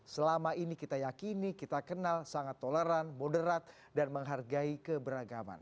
selama ini kita yakini kita kenal sangat toleran moderat dan menghargai keberagaman